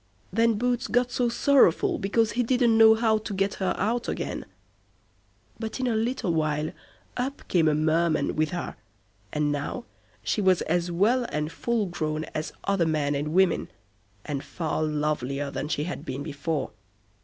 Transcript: Then Boots got so sorrowful because he didn't know how to get her out again; but in a little while up came a merman with her, and now she was as well and full grown as other men and women, and far lovelier than she had been before.